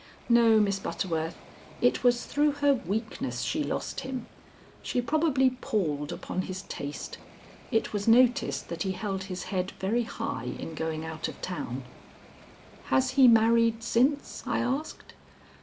No, Miss Butterworth, it was through her weakness she lost him. She probably palled upon his taste. It was noticed that he held his head very high in going out of town." "Has he married since?" I asked.